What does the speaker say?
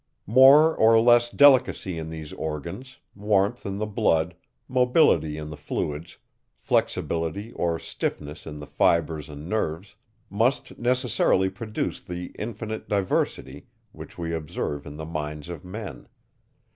More or less delicacy in these organs, warmth in the blood, mobility in the fluids, flexibility or stiffness in the fibres and nerves, must necessarily produce the infinite diversity, which we observe in the minds of men.